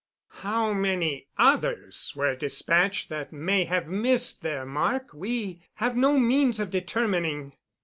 How many others were dispatched that may have missed their mark we have no means of determining.